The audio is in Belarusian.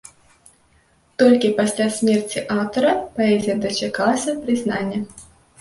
Толькі пасля смерці аўтара паэзія дачакалася прызнання.